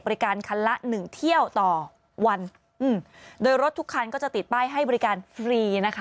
คันละหนึ่งเที่ยวต่อวันอืมโดยรถทุกคันก็จะติดป้ายให้บริการฟรีนะคะ